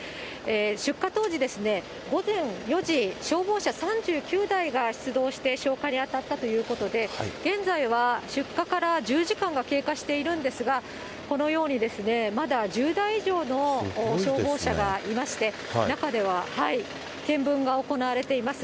出火当時ですね、午前４時、消防車３９台が出動して、消火に当たったということで、現在は出火から１０時間が経過しているんですが、このようにまだ１０台以上の消防車がいまして、中では、見分が行われています。